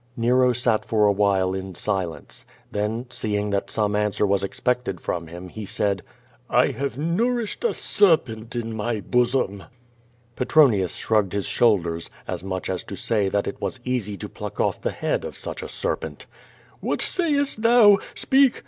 Nero sat for a while in silence. Then seeing that some answer was expected from him, he said: "I have nourished a serpent in my bosom." Petronius shrugged his shoulders, as much as to say that it was easy to pluck off the head of such a serpent. "What sayest thou? Speak!